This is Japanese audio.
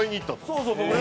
そうそう。